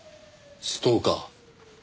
ストーカー？